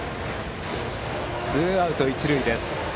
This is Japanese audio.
ツーアウト、一塁です。